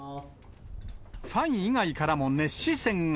ファン以外からも熱視線が。